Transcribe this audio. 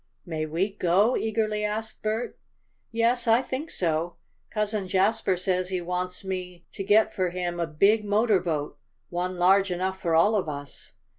"May we go?" eagerly asked Bert. "Yes, I think so. Cousin Jasper says he wants me to get for him a big motor boat one large enough for all of us.